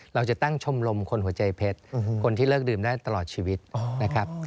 เราจะตั้งชมรมคนหัวใจเพชรคนที่เลิกดื่มได้ตลอดชีวิตนะครับ